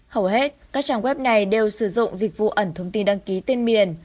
hầu hết các trang web này đều sử dụng dịch vụ ẩn thông tin đăng ký tên miền